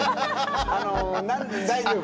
あの大丈夫。